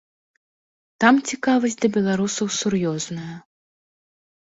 Там цікавасць да беларусаў сур'ёзная.